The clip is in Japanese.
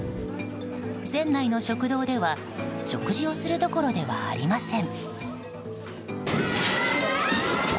船内の食堂では食事をするどころではありません。